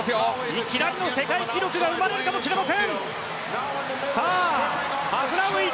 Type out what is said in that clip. いきなりの世界記録が生まれるかもしれません。